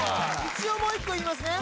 一応もう一個いいますね